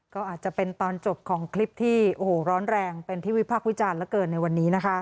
ก็อาจจะเป็นตอนจบของคลิปที่โอ้โหร้อนแรงเป็นที่วิพากษ์วิจารณ์เหลือเกินในวันนี้นะคะ